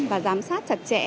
và giám sát